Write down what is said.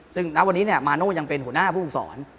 ซึ่งณวันนี้มาโน่ยังเป็นหัวหน้าผู้ฝึกสอน